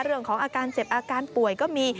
เรื่องของอาการเจ็บอาการป่วยก็มี